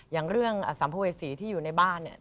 อย่างเรื่องสัมภเวษีที่อยู่ในบ้านเนี่ย